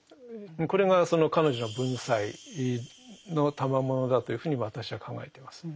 これがその彼女の文才の賜物だというふうに私は考えてます。